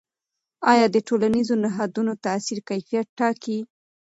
آیا د ټولنیزو نهادونو تاثیر کیفیت ټاکي؟